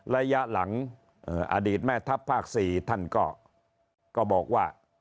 ระยะหลังอดีตแม่ทัพภาค๔ท่านก็บอกว่า